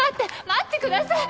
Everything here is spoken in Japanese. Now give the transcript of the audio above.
待ってください！